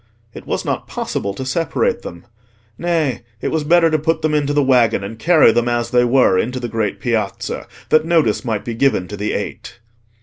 It was not possible to separate them: nay, it was better to put them into the waggon and carry them as they were into the great Piazza, that notice might be given to the Eight.